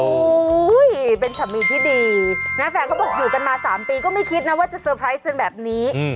เป็นสามีที่ดีนะแฟนเขาบอกอยู่กันมา๓ปีก็ไม่คิดนะว่าจะเตอร์ไพรส์กันแบบนี้